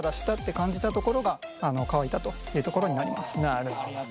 なるほど。